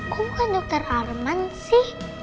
gue bukan dokter arman sih